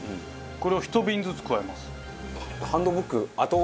これを１瓶ずつ加えます。